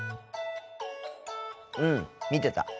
うん見てた。